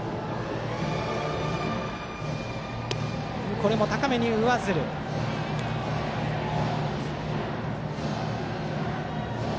これも高めに上ずった。